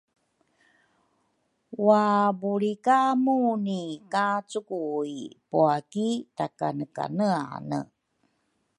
Wabulri ka Muni ka cukui pua ki takanekaneane.